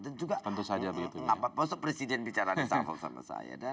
dan juga maksud presiden bicara risa apol sama saya